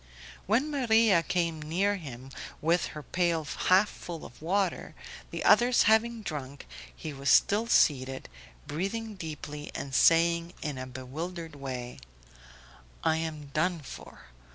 When Maria came near him with her pail half full of water, the others having drunk, he was still seated, breathing deeply and saying in a bewildered way: "I am done for